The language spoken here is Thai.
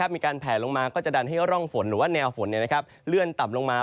แผลลงมาก็จะดันให้ร่องฝนหรือว่าแนวฝนเลื่อนต่ำลงมา